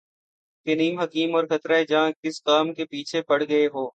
کہ نیم حکیم اور خطرہ جان ، کس کام کے پیچھے پڑ گئے ہو